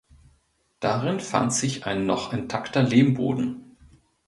Darin fand sich ein noch intakter Lehmboden.